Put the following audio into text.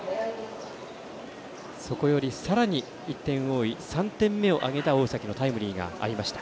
そこより、さらに１点多い３点目を挙げた大崎のタイムリーがありました。